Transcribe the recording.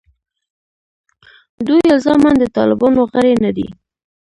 دوی الزاماً د طالبانو غړي نه دي.